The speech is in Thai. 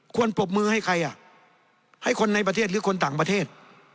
ปรบมือให้ใครอ่ะให้คนในประเทศหรือคนต่างประเทศ